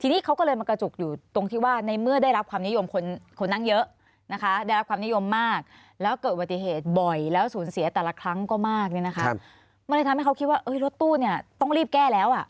มันเลยทำให้เขาคิดว่ารถตู้เนี่ยต้องรีบแก้แล้ว